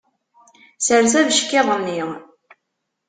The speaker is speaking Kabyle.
Sers abeckiḍ-nni.